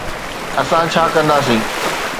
اسان ڇا ڪنداسين؟